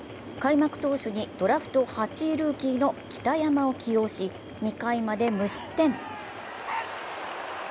開幕投手にドラフト８位ルーキーの北山を起用し、２回まで無失点。